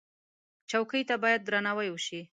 چوکۍ ته باید درناوی وشي.